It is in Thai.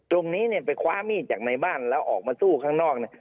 ตรงนี้เนี่ยไปคว้ามีดจากในบ้านแล้วออกมาสู้ข้างนอกเนี่ย